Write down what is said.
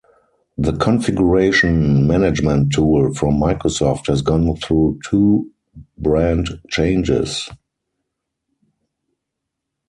The Configuration Management tool from Microsoft has gone through two brand changes.